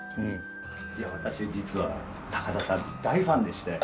私実は高田さんの大ファンでして。